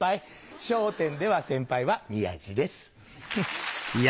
『笑点』では先輩は宮治です。